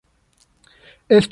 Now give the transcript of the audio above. Esta es una planta rara.